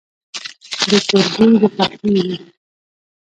د کور بوی د پخلي وو.